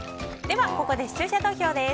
ここで視聴者投票です。